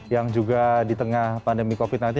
yang juga di tengah pandemi covid sembilan belas